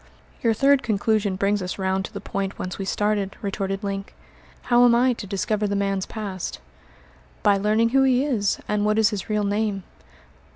"Your third conclusion brings us round to the point whence we started," retorted Link. "How am I to discover the man's past?" "By learning who he is, and what is his real name."